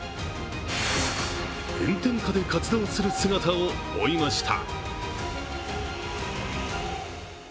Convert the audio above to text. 炎天下で活動する姿を追いました。